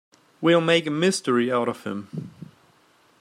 We'll make a mystery out of him.